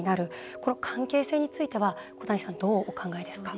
この関係性については小谷さんはどうお考えですか。